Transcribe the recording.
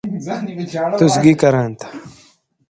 (کھیں تے تُس گی کراتھہ؟